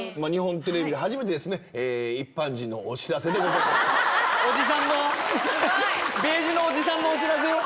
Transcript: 日本テレビ初めてですね、おじさんの。